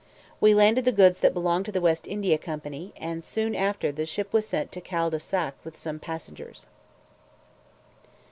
We landed the goods that belonged to the West India company, and, soon after, the ship was sent to Cal de Sac with some passengers.